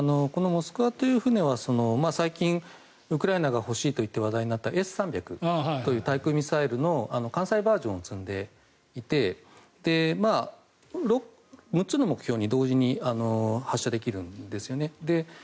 「モスクワ」という船は最近、ウクライナが欲しいと言って話題になったＳ３００という対空ミサイルの艦載バージョンを積んでいて６つの目標に同時に発射できるんですよね。